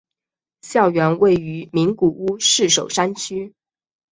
校园位于名古屋市守山区。